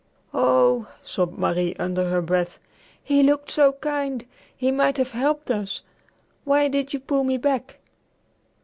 "Oh," sobbed Marie under her breath, "he looked so kind! He might have helped us. Why did you pull me back?"